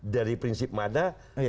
dari prinsip mana